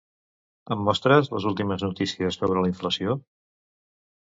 Em mostres les últimes notícies sobre la inflació?